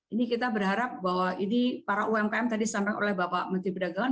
ini kita berharap bahwa ini para umkm tadi sampaikan oleh bapak menteri perdagangan